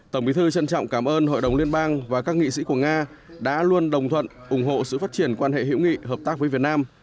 tổng bí thư trân trọng cảm ơn hội đồng liên bang và các nghị sĩ của nga đã luôn đồng thuận ủng hộ sự phát triển quan hệ hữu nghị hợp tác với việt nam